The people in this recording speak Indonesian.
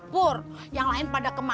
pur yang lain pada kemarin